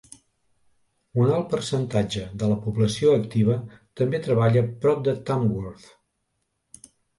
Un alt percentatge de la població activa també treballa prop de Tamworth.